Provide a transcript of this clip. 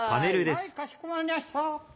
はいかしこまりました。